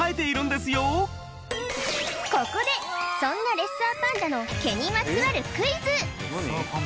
ここでそんなレッサーパンダの毛にまつわるクイズ